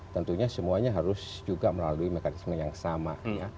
tentunya semuanya harus juga melalui mekanisme yang sama